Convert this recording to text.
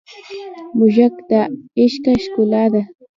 موزیک د عشقه ښکلا ده.